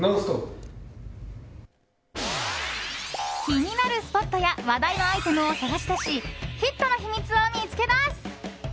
気になるスポットや話題のアイテムを探し出しヒットの秘密を見つけ出す